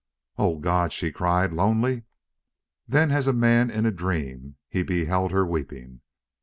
"O God!" she cried. "Lonely!" Then as a man in a dream he beheld her weeping.